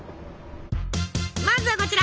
まずはこちら。